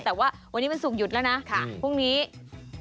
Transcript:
แต่ว่าวันนี้วันศุกร์หยุดแล้วนะพรุ่งนี้